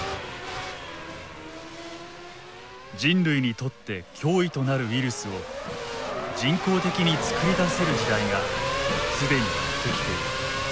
「人類にとって脅威となるウイルスを人工的に作り出せる時代が既にやって来ている」。